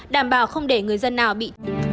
đảm bảo không để người dân nào bị